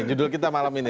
judul kita malam ini